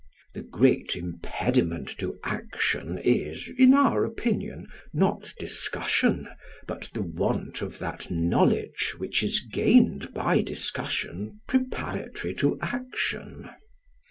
The great impediment to action is, in our opinion, not discussion but the want of that knowledge which is gained by discussion preparatory to action.